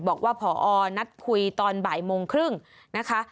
บอกว่าพอนัดคุยตอนบ่ายโมงครึ่งนะคะ